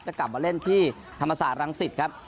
จะกลับมาเล่นที่ธรรมศาสตรังสิตครับ